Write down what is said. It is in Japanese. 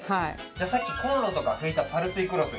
さっきコンロとか拭いたパルスイクロス。